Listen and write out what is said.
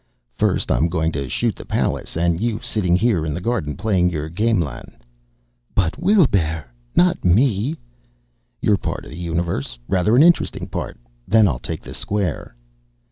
"First I'm going to shoot the palace, and you sitting here in the garden playing your gamelan." "But Weelbrrr not me!" "You're a part of the universe, rather an interesting part. Then I'll take the square...."